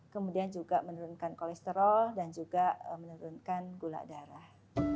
kemudian juga menurunkan kolesterol dan juga menurunkan gula darah